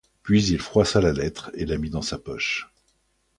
Puis il froissa la lettre et la mit dans sa poche.